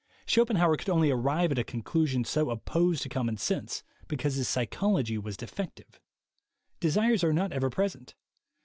Schopenhauer could only arrive at a conclusion so opposed to common sense because his psychology was defective. Desires are not ever present.